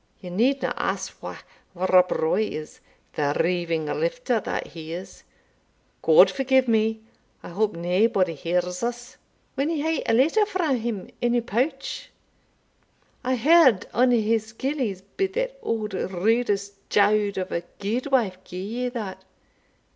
Ye needna ask whae Rob Roy is, the reiving lifter that he is God forgie me! I hope naebody hears us when ye hae a letter frae him in your pouch. I heard ane o' his gillies bid that auld rudas jaud of a gudewife gie ye that.